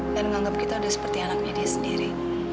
dan menganggap kita udah seperti anaknya dia sendiri